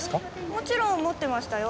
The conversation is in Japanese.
もちろん持ってましたよ。